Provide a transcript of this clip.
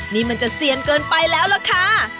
นี่มันจะเซียนเกินไปแล้วล่ะค่ะ